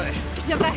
了解